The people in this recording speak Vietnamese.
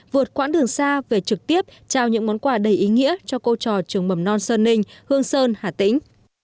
vượt quãng đường xa về trực tiếp trao những món quà đầy ý nghĩa cho cô trò trường mầm non sơn ninh hương sơn hà tĩnh